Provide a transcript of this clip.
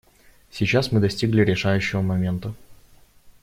Сейчас мы достигли решающего момента.